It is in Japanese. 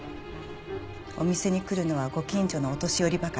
お店に来るのはご近所のお年寄りばかり。